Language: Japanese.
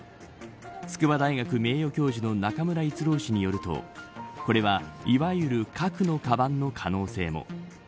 筑波大学名誉教授の中村逸郎氏によるとこれはいわゆる核のかばんの可能性も。